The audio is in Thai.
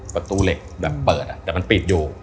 ประตูเหล็กแบบเปิดแต่มันปิดอยู่